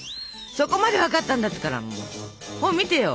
そこまで分かったんだったら本見てよ。